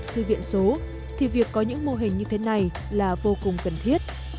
thư viện số thì việc có những mô hình như thế này là vô cùng cần thiết